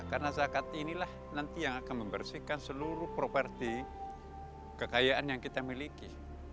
karena zakat inilah nanti yang akan membersihkan seluruh properti kekayaan yang kita miliki